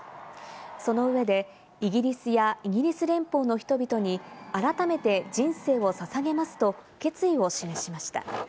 その上でイギリスやイギリス連邦の人々に改めて人生を捧げますと決意を示しました。